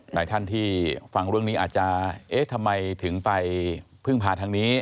หลายท่านที่ฟังเรื่องนี้อาจจะเอ๊ะทำไมถึงไปพึ่งพาทางนี้